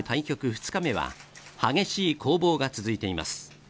２日目は激しい攻防が続いています。